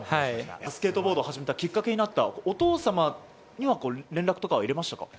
スケートボードを始めるきっかけになったお父様には連絡とかは入れましたか？